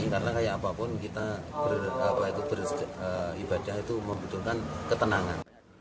karena kayak apapun kita beribadah itu membutuhkan ketenangan